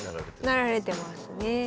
なられてますね。